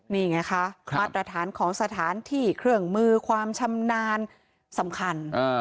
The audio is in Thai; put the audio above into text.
นี่ไงคะมาตรฐานของสถานที่เครื่องมือความชำนาญสำคัญ